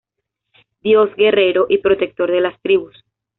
Dios guerrero y protector de las tribus.